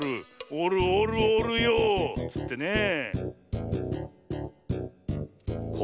おるおるおるよっつってねえ。